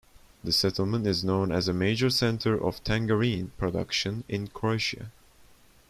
This settlement is known as a major center of tangerine production in Croatia.